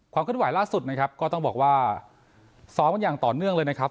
ความขึ้นวัยล่าสุดก็ต้องบอกว่าซ้อมกันอย่างต่อเนื่องเลยนะครับ